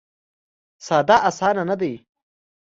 ساده اسانه نه دی.